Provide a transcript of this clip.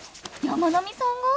山南さんが？